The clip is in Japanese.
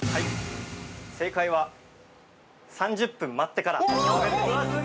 ◆正解は、３０分待ってから食べる、です。